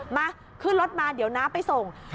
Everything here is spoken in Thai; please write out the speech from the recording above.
มาขึ้นรถมาเดี๋ยวน้าไปส่ง